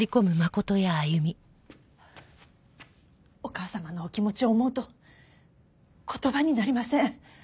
お母様のお気持ちを思うと言葉になりません。